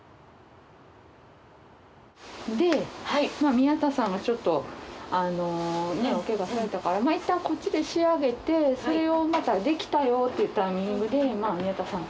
宮田さんはちょっとおけがされたからいったんこっちで仕上げてそれをまた出来たよっていうタイミングで宮田さん